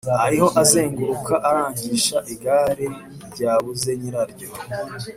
ariho azenguruka arangisha igare ryabuze nyiraryo